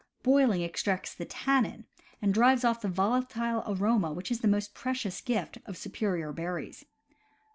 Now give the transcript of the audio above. Boiling extracts the tannin, and drives off the volatile aroma which is the most precious gift of superior berries.